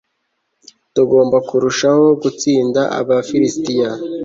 tugomba kurushaho gutsinda abafilisitiya